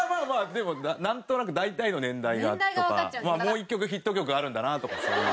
でもなんとなく大体の年代がとかもう一曲ヒット曲あるんだなとかそういう。